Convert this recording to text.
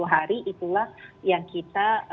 hari itulah yang kita